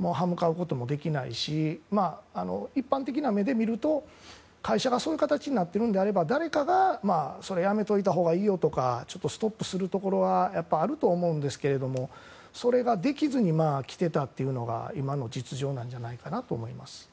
歯向かうこともできないし一般的な目で見ると会社がそうなっているのであれば誰かがそれやめたほうがいいよとかストップするところはあると思うんですけどそれができずに来ていたというのが今の実情じゃないかと思います。